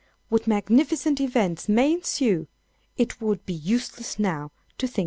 What magnificent events may ensue, it would be useless now to think of determining.